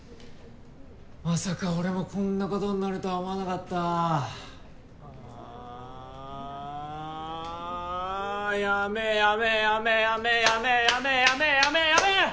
まさか俺もこんなことになるとは思わなかったあやめやめやめやめやめやめやめやめやめ！